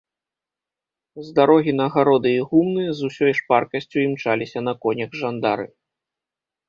З дарогі на гароды і гумны з усёй шпаркасцю імчаліся на конях жандары.